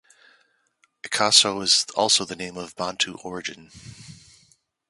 Ekosso is also a name of Bantu origin.